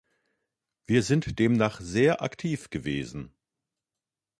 Wir sind demnach sehr aktiv gewesen.